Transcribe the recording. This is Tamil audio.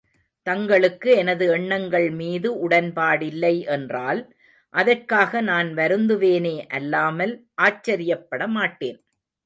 தங்களுக்கு எனது எண்ணங்கள் மீது உடன்பாடில்லை என்றால், அதற்காக நான் வருந்துவேனே அல்லாமல் ஆச்சரியப்படமாட்டேன்.